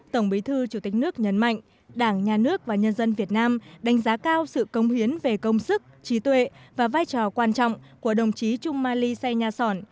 tổng bí thư chủ tịch nước nhấn mạnh đảng nhà nước và nhân dân việt nam đánh giá cao sự công hiến về công sức trí tuệ và vai trò quan trọng của đồng chí trung mali say nha sòn